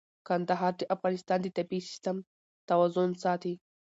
کندهار د افغانستان د طبعي سیسټم توازن ساتي.